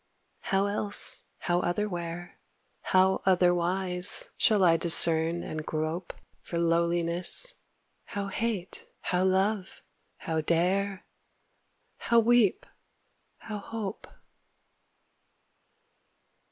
How else, how otherwhere. How otherwise, shall I discern and grope For lowliness? How hate, how love, how dare, How weep, how hope?